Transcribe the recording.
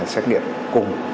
xét nghiệm cùng